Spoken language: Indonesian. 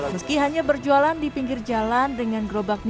meski hanya berjualan di pinggir jalan dengan gerobaknya